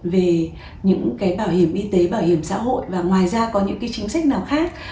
về những cái bảo hiểm y tế bảo hiểm xã hội và ngoài ra có những chính sách nào khác